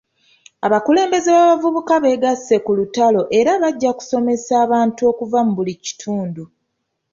Abakulembeze b'abavubuka beegasse ku lutalo era bajja kusomesa abantu okuva mu buli kitundu.